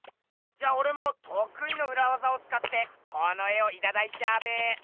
じゃあおれもとくいのうらわざをつかってこの絵をいただいちゃうべ！